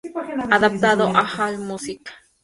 Adaptado de AllMusic.